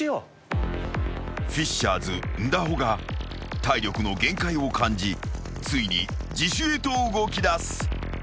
［フィッシャーズンダホが体力の限界を感じついに自首へと動きだす］